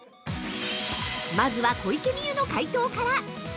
まずは小池美由の解答から！